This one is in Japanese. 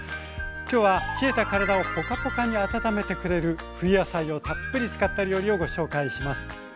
今日は冷えた体をポカポカに温めてくれる冬野菜をたっぷり使った料理をご紹介します。